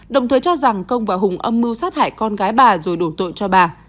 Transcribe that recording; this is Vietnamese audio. đồng thời cho rằng công và hùng âm mưu sát hại con gái bà rồi đổ tội cho bà